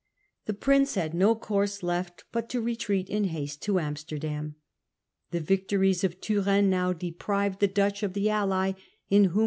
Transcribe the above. The Prince had no course left but to retreat in haste to Amsterdam. The victories of Turenne now deprived the Dutch of the ally in whom 1673.